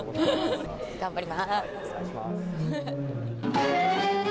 頑張ります。